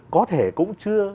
có thể cũng chưa